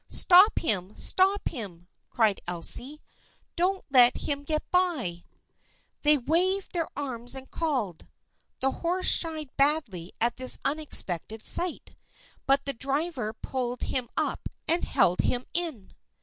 " Stop him ! Stop him !" cried Elsie. " Don't let him get by !" They waved their arms and called. The horse shied badly at this unexpected sight, but the driver pulled him up and held him in.